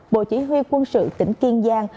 bộ chỉ huy quân sự tỉnh kiên giang